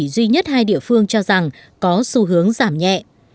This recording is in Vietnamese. duy nhất hai địa phương cho rằng có xu hướng giảm nhẹ